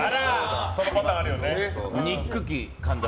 そのパターンあるよね。